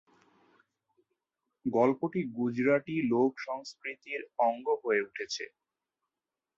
গল্পটি গুজরাটি লোক সংস্কৃতির অঙ্গ হয়ে উঠেছে।